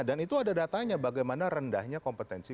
dan itu ada datanya bagaimana rendahnya kompetensi